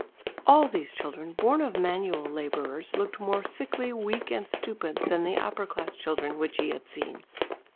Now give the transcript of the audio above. All these children born of manual labourers looked more sickly, weak and stupid than the upper class children which he had seen.